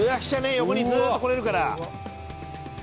横に、ずっと来れるから。